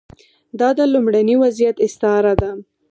دا د لومړني وضعیت استعاره ده.